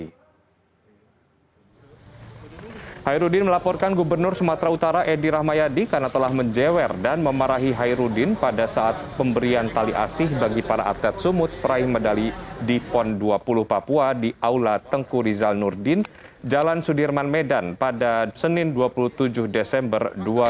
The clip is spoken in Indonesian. hairudin melaporkan gubernur sumatera utara edi rahmayadi karena telah menjawer dan memarahi hairudin pada saat pemberian tali asih bagi para atlet sumut peraih medali dipon dua puluh papua di aula tengku rizal nurdin jalan sudirman medan pada senin dua puluh tujuh desember dua ribu dua puluh satu